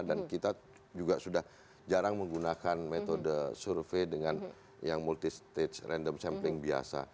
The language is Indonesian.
dan kita juga sudah jarang menggunakan metode survei dengan yang multistage random sampling biasa